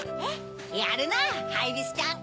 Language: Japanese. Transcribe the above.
やるなぁハイビスちゃん！